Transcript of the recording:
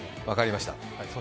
分かりました。